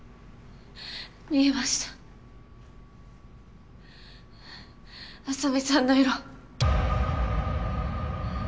見えました麻美さんの色。